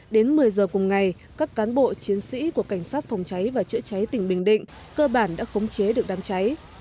đến một mươi giờ cùng ngày các cán bộ chiến sĩ của cảnh sát phòng cháy và chữa cháy tỉnh bình định cơ bản đã khống chế được đám cháy